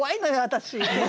私。